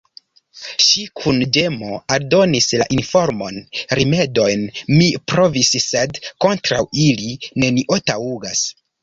Ŝi kun ĝemo aldonis la informon: "Rimedojn mi provis, sed kontraŭ ili, nenio taŭgas."